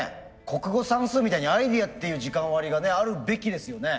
国語算数みたいにアイデアっていう時間割りがねあるべきですよね。